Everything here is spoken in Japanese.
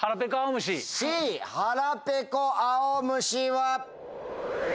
Ｃ『はらぺこあおむし』は。